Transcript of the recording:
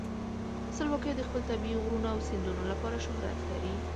سلواکیا د خپل طبیعي غرونو او سیندونو لپاره شهرت لري.